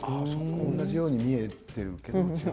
同じように見えているけど。